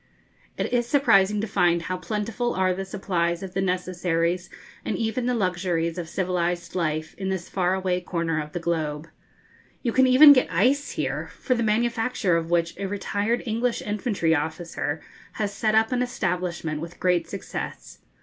It is surprising to find how plentiful are the supplies of the necessaries and even the luxuries of civilised life in this far away corner of the globe. You can even get ice here, for the manufacture of which a retired English infantry officer has set up an establishment with great success.